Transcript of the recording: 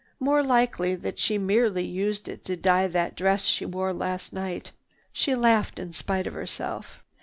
"More likely that she merely used it to dye that dress she wore last night." She laughed in spite of herself.